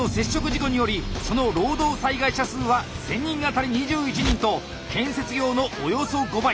事故によりその労働災害者数は１，０００人当たり２１人と建設業のおよそ５倍！